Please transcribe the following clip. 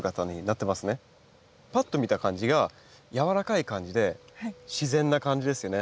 ぱっと見た感じが柔らかい感じで自然な感じですよね。